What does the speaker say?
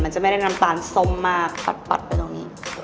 จะไม่ได้น้ำตาลส้มมากปัดไปตรงนี้